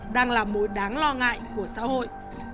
đang là mối đáng lo ngại của xã hội